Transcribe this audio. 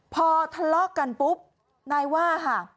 พอทะเลาะกันปุ๊บนายว่าค่ะ